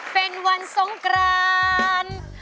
เป็นวันทรงกรรม